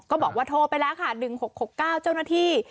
บอกว่าโทรไปแล้วค่ะ๑๖๖๙เจ้าหน้าที่